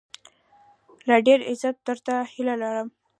لا ډېر عزت، درته هيله لرم